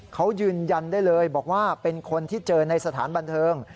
เขายืนยันได้เลยบอกว่าเป็นคนที่เจอในสถานบันเทิง